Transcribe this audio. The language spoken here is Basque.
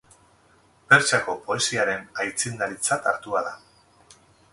Pertsiako poesiaren aitzindaritzat hartua da.